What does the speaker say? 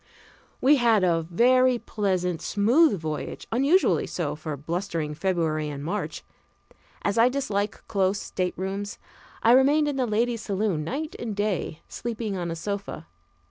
We had a very pleasant, smooth voyage, unusually so for blustering February and March. As I dislike close staterooms, I remained in the ladies' saloon night and day, sleeping on a sofa.